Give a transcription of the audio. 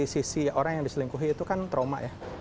sisi orang yang diselingkuhi itu kan trauma ya